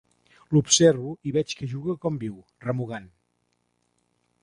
L'observo i veig que juga com viu, remugant.